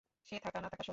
সে থাকা-না থাকা সমান।